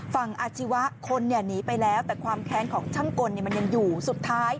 อาชีวะคนหนีไปแล้วแต่ความแค้นของช่างกลมันยังอยู่สุดท้าย